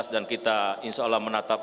dan kita insya allah menatuhi